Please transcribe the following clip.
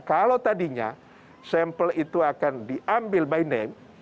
kalau tadinya sampel itu akan diambil by name